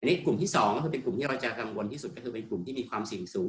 นี่กลุ่มที่๒ก็คือเป็นกลุ่มที่เราจะกังวลที่สุดก็คือเป็นกลุ่มที่มีความเสี่ยงสูง